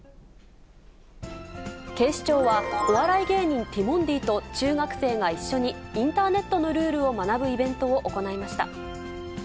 警視庁は、お笑い芸人、ティモンディと、中学生が一緒にインターネットのルールを学ぶイベントを行いました。